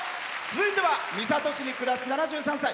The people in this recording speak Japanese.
続いては三郷市に暮らす７３歳。